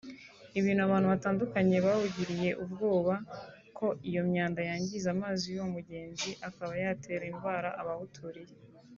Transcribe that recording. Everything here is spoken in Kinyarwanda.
Ibintu abantu batandukanye bagiriye ubwoba bavuga ko iyo myanda yangiza amazi y’uwo mugenzi akaba yatera indwara abawuturiye